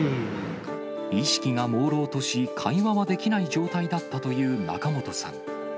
意識がもうろうとし、会話はできない状態だったという仲本さん。